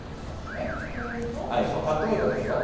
例えばですよ。